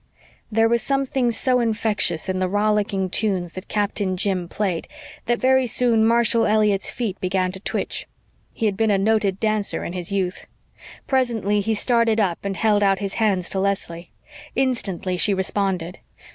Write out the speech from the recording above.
There was something so infectious in the rollicking tunes which Captain Jim played that very soon Marshall Elliott's feet began to twitch. He had been a noted dancer in his youth. Presently he started up and held out his hands to Leslie. Instantly she responded.